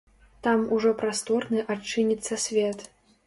Там ужо прасторны адчыніцца свет.